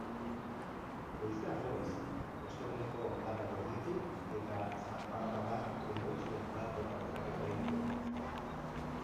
Goizean goiz, osteguneko hondarrak gelditu etazaparrada trumoitsuren bat bota dezake oraindik ere.